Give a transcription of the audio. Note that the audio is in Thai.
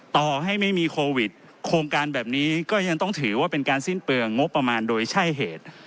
ต่อให้ไม่มีโควิดโครงการแบบนี้ก็ยังต้องถือว่าเป็นการสิ้นเปลืองงบประมาณโดยใช่เหตุ